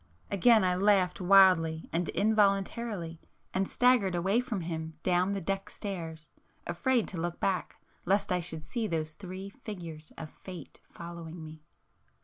Again I laughed wildly and involuntarily, and staggered away from him down the deck stairs, afraid to look back lest I should see those Three Figures of fate following me.